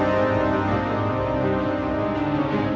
ya aku harus berhasil